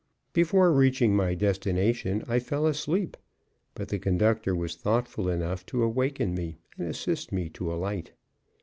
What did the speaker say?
Before reaching my destination I fell asleep. But the conductor was thoughtful enough to awaken me and assist me to alight.